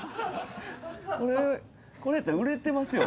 これこれやったら売れてますよ